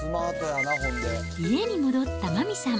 家に戻った麻美さん。